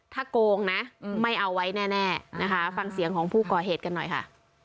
ถ้าโกงนะไม่เอาไว้แน่นะคะฟังเสียงของผู้ก่อเหตุกันหน่อยค่ะ